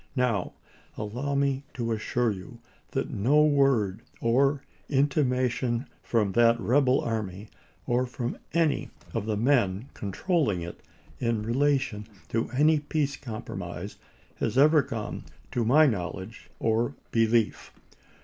Now, allow me to assure you that no word or intimation from that rebel army, or from any of the men controlling it, in relation to any peace compromise, has ever come to my knowledge or belief.